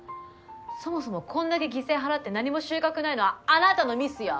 そもそもこんだけ犠牲払って何も収穫がないのはあなたのミスよ！